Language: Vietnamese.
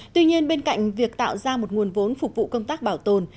tuy nhiên bên cạnh việc tạo ra một nguồn vốn phục vụ công tác bảo tồn